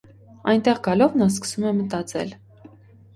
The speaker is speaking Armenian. Այնտեղ գալով նա սկսում է մտածել։